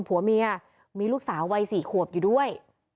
ผัวเมียมีลูกสาววัย๔ขวบอยู่ด้วย